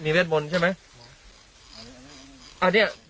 เวทมนต์ใช่ไหม